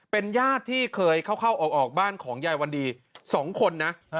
เป็นญาติที่เคยเข้าออกบ้านของยายวันดี๒คนนะ